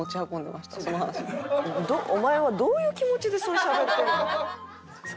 お前はどういう気持ちでそれしゃべってんの？